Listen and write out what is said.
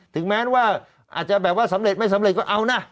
ถึงแม้ว่าอาจจะแบบว่าสำเร็จไม่สำเร็จก็เอานะ